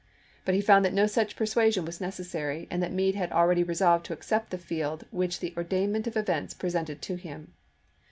But he found that no such persuasion was necessary and that Meade had already resolved to accept the field which the ordainment of events presented to him.